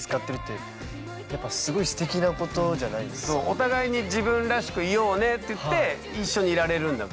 お互いに自分らしくいようねって言って一緒にいられるんだから。